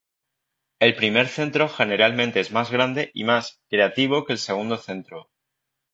El primer centro generalmente es más grande y más "creativo" que el segundo centro.